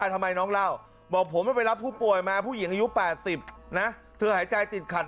ทำไมน้องเล่าบอกผมไม่ไปรับผู้ป่วยมาผู้หญิงอายุ๘๐นะเธอหายใจติดขัด